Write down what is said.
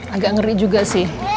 agak ngeri juga sih